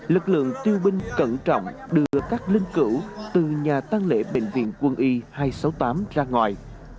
lực lượng tiêu binh cẩn trọng đưa các linh cữu từ nhà tăng lễ bệnh viện quân y hai trăm sáu mươi tám ra ngoài